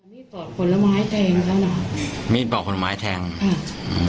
มีต่อผลไม้แทงแล้วนะมีต่อผลไม้แทงอืม